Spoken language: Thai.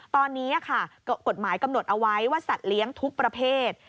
ตอนนี้กฎหมายกำหนดเอาไว้ว่าสัตว์เลี้ยงทุกประเภท